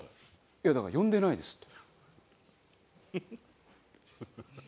いやだから呼んでないですって。